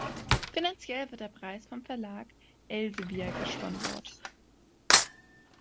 Finanziell wird der Preis vom Verlag Elsevier gesponsert.